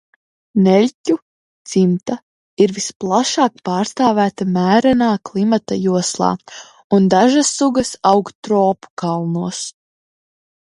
Neļķu dzimta ir visplašāk pārstāvēta mērenā klimata joslā un dažas sugas aug tropu kalnos.